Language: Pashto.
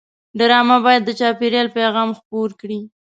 ډرامه باید د چاپېریال پیغام خپور کړي